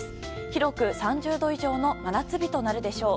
広く３０度以上の真夏日となるでしょう。